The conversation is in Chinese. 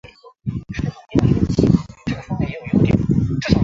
每集十篇共六十篇。